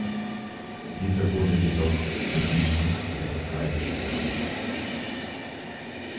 Diese wurden jedoch von einem Kriegsgericht freigesprochen.